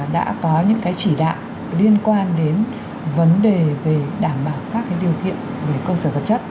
đã có những chỉ đạo liên quan đến vấn đề về đảm bảo các điều kiện về cơ sở vật chất